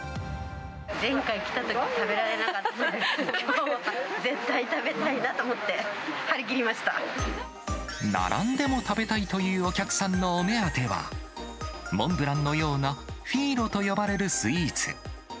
前回来たとき、食べられなかったから、きょう、絶対食べたいなと思って、張り切並んでも食べたいというお客さんのお目当ては、モンブランのような、フィーロと呼ばれるスイーツ。